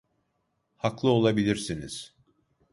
Haklı olabilirsiniz.